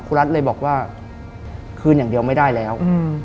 รัฐเลยบอกว่าคืนอย่างเดียวไม่ได้แล้ว